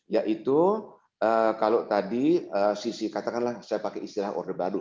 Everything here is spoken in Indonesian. yaitu kalau tadi sisi katakanlah saya pakai istilah orde baru